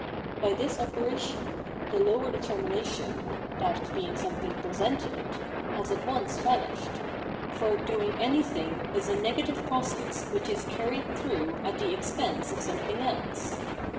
By this operation, the lower determination [that of being something " pre sented "] has at once vanished ; for doing anything is a negative process which is carried through at the expense of something else.